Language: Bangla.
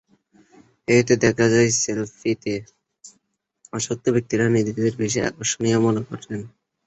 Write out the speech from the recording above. এতে দেখা যায়, সেলফিতে আসক্ত ব্যক্তিরা নিজেদের বেশি আকর্ষণীয় মনে করেন।